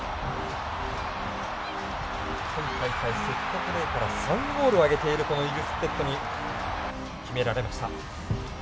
今大会、セットプレーから３ゴールを挙げているイルステッドに決められました。